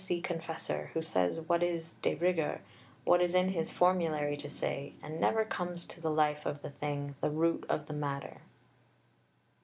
C. Confessor, who says what is de rigueur, what is in his Formulary to say, and never comes to the life of the thing, the root of the matter.